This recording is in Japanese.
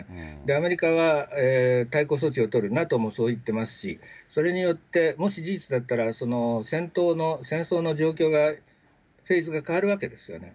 アメリカは対抗措置を取る、ＮＡＴＯもそう言ってますし、それによって、もし事実だったら、戦闘の、戦争の状況が、フェーズが変わるわけですよね。